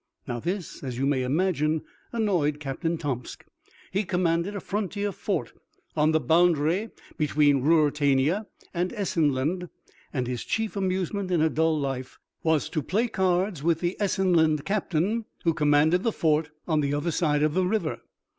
Now this, as you may imagine, annoyed Captain Tomsk. He commanded a frontier fort on the boundary between Ruritania and Essenland, and his chief amusement in a dull life was to play cards with the Essenland captain, who commanded the fort on the other side of the river.